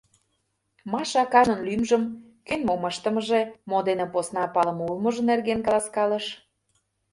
— Маша кажнын лӱмжым, кӧн мом ыштымыже, мо дене посна палыме улмыжо нерген каласкалыш.